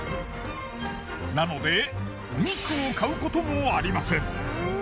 なのでお肉を買うこともありません。